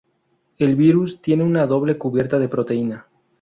El virus tiene una doble cubierta de proteína.